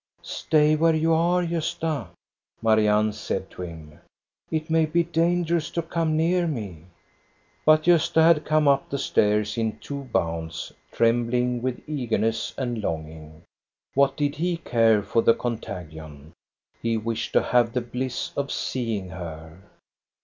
" Stay where you are, Gosta," Marianne said to him. " It may be dangerous to come near me." But G5sta had come up the stairs in t\vo bounds, trembling with eagerness and longing. What did he care for the contagion? He wished to have the bliss of seeing her.